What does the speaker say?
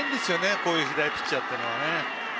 こういう左ピッチャーというのは。